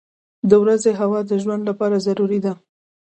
• د ورځې هوا د ژوند لپاره ضروري ده.